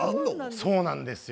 そうなんですよ。